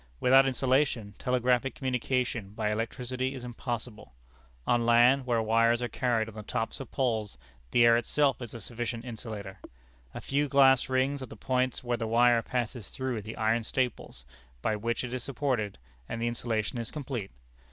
Without insulation, telegraphic communication by electricity is impossible. On land, where wires are carried on the tops of poles, the air itself is a sufficient insulator. A few glass rings at the points where the wire passes through the iron staples by which it is supported, and the insulation is complete.